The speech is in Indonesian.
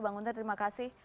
bang guter terima kasih